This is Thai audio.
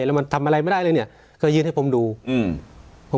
แล้วมันทำอะไรไม่ได้เลยเนี้ยเคยยืนให้ผมดูอืม